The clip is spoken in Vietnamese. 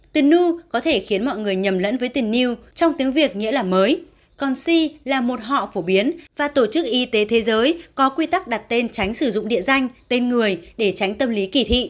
từ nu có thể khiến mọi người nhầm lẫn với tình yêu trong tiếng việt nghĩa là mới còn c là một họ phổ biến và tổ chức y tế thế giới có quy tắc đặt tên tránh sử dụng địa danh tên người để tránh tâm lý kỳ thị